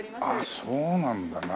あっそうなんだ。